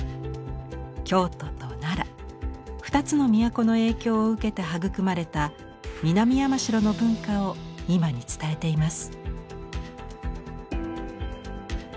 京都と奈良２つの都の影響を受けて育まれた南山城の文化を今に伝えています。